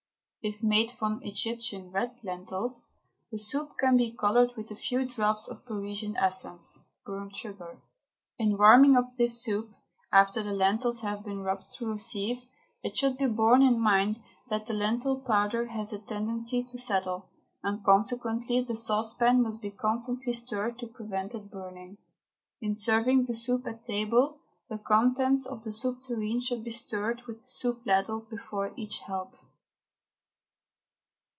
If made from Egyptian (red) lentils, the soup can be coloured with a few drops of Parisian essence (burnt sugar). In warming up this soup, after the lentils have been rubbed through a sieve, it should be borne in mind that the lentil powder has a tendency to settle, and consequently the saucepan must be constantly stirred to prevent it burning. In serving the soup at table, the contents of the soup tureen should be stirred with the soup ladle before each help.